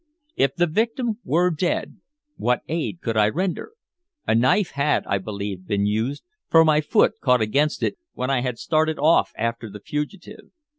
If the victim were dead, what aid could I render? A knife had, I believed, been used, for my foot caught against it when I had started off after the fugitive.